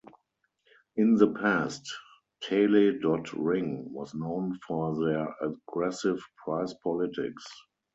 In the past, tele.ring was known for their aggressive price-politics.